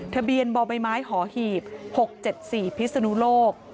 ทะเบียนบ่อใบไม้หอหีบ๖๗๔พิศนุโลก